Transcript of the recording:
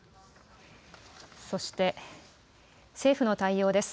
そして、政府の対応です。